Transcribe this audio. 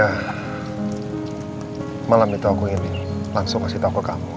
akhirnya malam itu aku ingin langsung kasih tau ke kamu